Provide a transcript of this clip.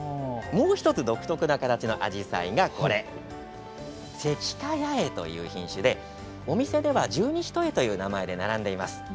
もう１つ独特な形のアジサイがこちら石化八重という品種でお店には十二単という名前で並んでいます。